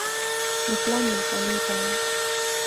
د پلان ناکامي په اړه